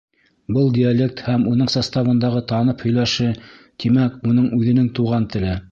Был диалект һәм уның составындағы ТАНЫП һөйләше, тимәк, уның үҙенең туған теле.